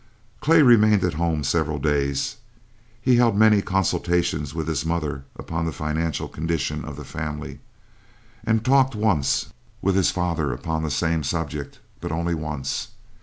Clay remained at home several days. He held many consultations with his mother upon the financial condition of the family, and talked once with his father upon the same subject, but only once.